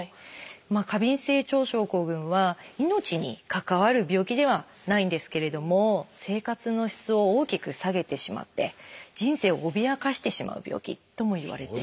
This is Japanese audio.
過敏性腸症候群は命に関わる病気ではないんですけれども生活の質を大きく下げてしまって人生を脅かしてしまう病気ともいわれています。